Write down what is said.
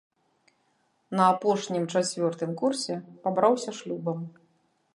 На апошнім, чацвёртым, курсе пабраўся шлюбам.